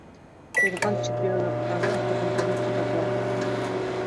Уҙған чемпионаттағы һөҙөмтәне ҡабатлау